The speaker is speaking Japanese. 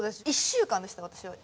１週間でした私は。